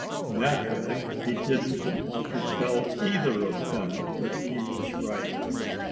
Naturally he didn't want to tell either of them that he was right.